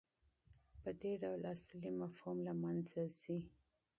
په دې ډول اصلي مفهوم له منځه ځي.